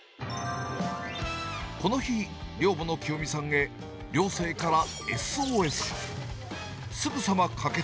この日、寮母のきよみさんへ、寮生からＳＯＳが。